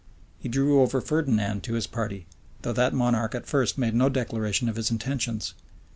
He drew over Ferdinand to his party, though that monarch at first made no declaration of his intentions.